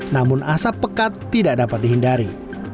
namun asap pekat tidak dapat dihindari